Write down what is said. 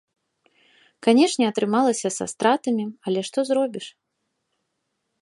Канешне, атрымалася са стратамі, але што зробіш.